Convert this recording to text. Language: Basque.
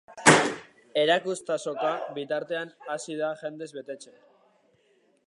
Erakustazoka, bitartean, hasi da jendez betetzen.